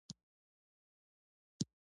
قومونه د افغانانو د تفریح یوه وسیله ده.